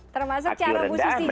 termasuk cara musisi juga ya bu